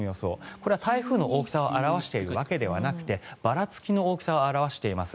これは台風の大きさを表しているわけではなくてばらつきの大きさを表しています。